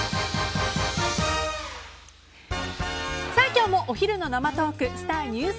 今日もお昼の生トークスター☆